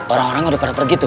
orang orang udah pada pergi tuh